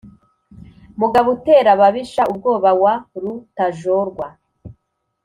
mugabo utera ababisha ubwoba wa rutajorwa,